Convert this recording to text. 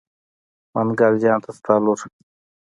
منګل جان ته ستا لور.